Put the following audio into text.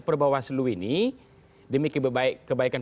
perbawaslu ini demi kebaikan